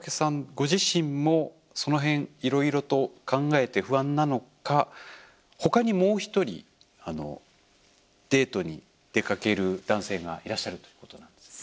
ご自身もその辺いろいろと考えて不安なのか他にもう一人デートに出かける男性がいらっしゃるということなんですね。